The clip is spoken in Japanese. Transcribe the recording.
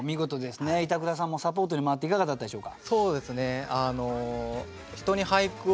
板倉さんもサポートに回っていかがだったでしょうか？